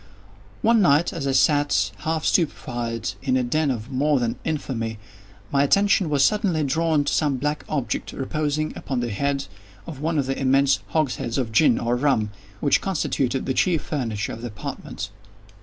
One night as I sat, half stupefied, in a den of more than infamy, my attention was suddenly drawn to some black object, reposing upon the head of one of the immense hogsheads of gin, or of rum, which constituted the chief furniture of the apartment.